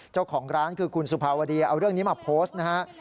เจ้าของร้านคือคุณสุภาวดีเอาเรื่องนี้มาโพสต์นะฮะ